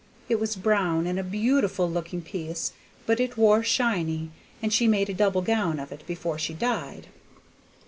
It was brown, and a beautiful looking piece, but it wore shiny, and she made a double gown of it before she died."